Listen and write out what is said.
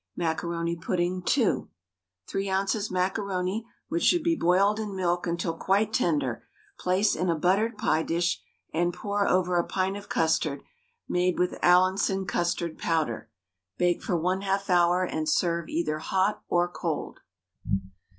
MACARONI PUDDING (2). 3 oz. macaroni, which should be boiled in milk until quite tender, place in a buttered pie dish, and pour over a pint of custard made with Allinson custard powder, bake for 1/2 hour and serve either hot or cold.